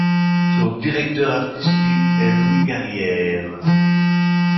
Son directeur artistique est Louis Carrière.